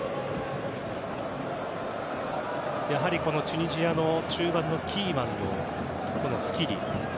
やはりチュニジアの中盤のキーマンのスキリ。